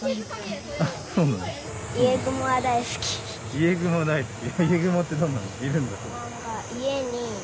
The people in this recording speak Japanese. イエグモ大好き？